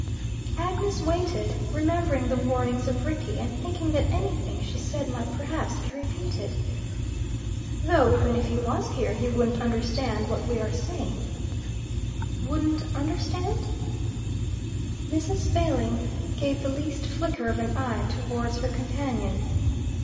Agnes waited, remembering the warnings of Rickie, and thinking that anything she said might perhaps be repeated. "Though even if he was here he wouldn't understand what we are saying." "Wouldn't understand?" Mrs. Failing gave the least flicker of an eye towards her companion.